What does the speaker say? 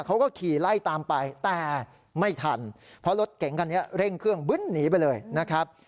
เขาก็ขี่ไล่ตามไปแต่ไม่ทันเพราะรถเก๋งคันนี้เร่งเครื่องบึ้นหนีไปเลยนะครับ